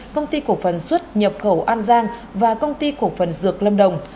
công ty cổ phần xuất nhập khẩu an giang và công ty cổ phần dược lâm đồng